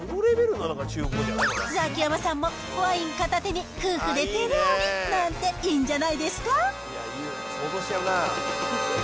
ザキヤマさんもワイン片手に、夫婦で手料理なんていいんじゃないですか。